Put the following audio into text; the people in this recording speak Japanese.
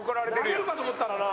投げるかと思ったらな。